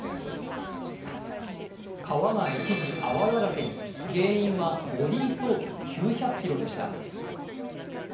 川が一時、泡だらけに原因はボディーソープ９００ｋｇでした。